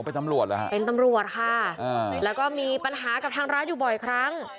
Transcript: เป็นตำรวจเหรอฮะเป็นตำรวจค่ะอ่าแล้วก็มีปัญหากับทางร้านอยู่บ่อยครั้ง